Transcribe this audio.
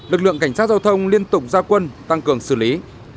lực lượng cảnh sát giao thông liên tục ra quân tăng cường xử lý